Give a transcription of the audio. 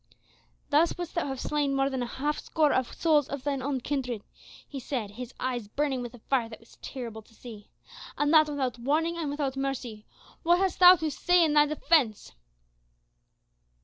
"Thus wouldst thou have slain more than a half score of souls of thine own kindred," he said, his eyes burning with a fire that was terrible to see. "And that without warning and without mercy. What hast thou to say in thy defense?"